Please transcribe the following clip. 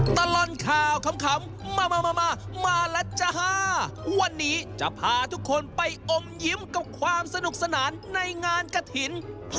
ตลอดข่าวขำมามาแล้วจ้าวันนี้จะพาทุกคนไปอมยิ้มกับความสนุกสนานในงานกระถิ่น